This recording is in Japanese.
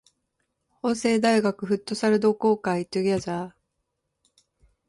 法政大学フットサル同好会 together